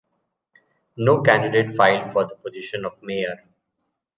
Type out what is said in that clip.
No candidate filed for the position of mayor.